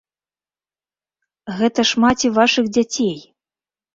Гэта ж маці вашых дзяцей!